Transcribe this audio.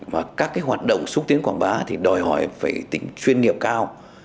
và các hoạt động xúc tiến quảng bá đòi hỏi tính chuyên nghiệp cao